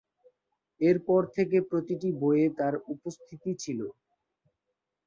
এরপর থেকে প্রতিটি বইয়ে তাঁর উপস্থিতি ছিল।